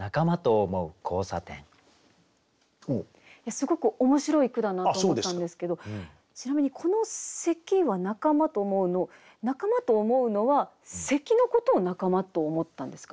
すごく面白い句だなと思ったんですけどちなみに「この咳は仲間と思ふ」の「仲間と思ふ」のは咳のことを仲間と思ったんですか？